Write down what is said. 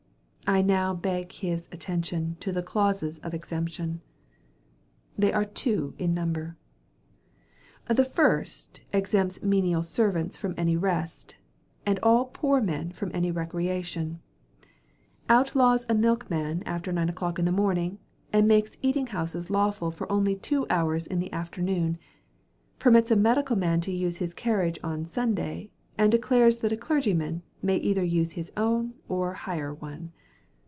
I now beg his attention to the clauses of exemption. They are two in number. The first exempts menial servants from any rest, and all poor men from any recreation: outlaws a milkman after nine o'clock in the morning, and makes eating houses lawful for only two hours in the afternoon; permits a medical man to use his carriage on Sunday, and declares that a clergyman may either use his own, or hire one.